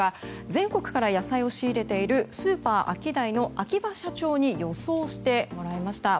全国から野菜を仕入れているスーパー、アキダイの秋葉社長に予想してもらいました。